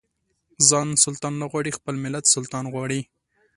ځان سلطان نه غواړي خپل ملت سلطان غواړي.